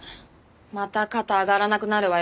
また肩上がらなくなるわよ。